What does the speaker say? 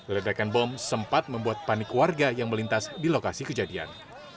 ledakan bom sempat membuat panik warga yang melintas di lokasi kejadian